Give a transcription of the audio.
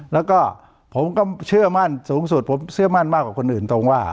แล้วก็ผมก็เชื่อมั่นสูงสุดผมเชื่อมั่นมากกว่าคนอื่นตรงว่า